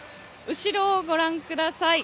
後ろをご覧ください。